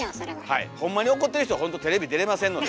はいホンマに怒ってる人はほんとテレビ出れませんので。